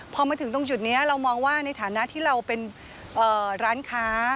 พอมาถึงตรงจุดนี้เรามองว่าในฐานะที่เราเป็นร้านค้า